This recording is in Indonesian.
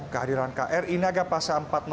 kehadiran kr ini agak pasang